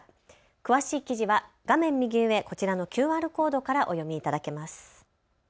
詳しい記事は画面右上、こちらのＱＲコードからお読みいただけます。